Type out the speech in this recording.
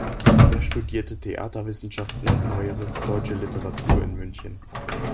Er studierte Theaterwissenschaften und Neuere Deutsche Literatur in München.